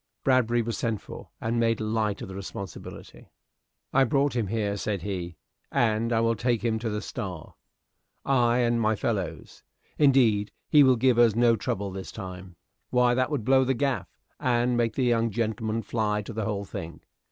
Bradbury was sent for, and made light of the responsibility. "I brought him here," said he, "and I will take him to the 'Star,' I and my fellows. Indeed, he will give us no trouble this time. Why, that would blow the gaff, and make the young gentleman fly to the whole thing."